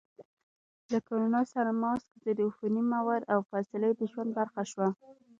له کرونا سره ماسک، ضد عفوني مواد، او فاصلې د ژوند برخه شوه.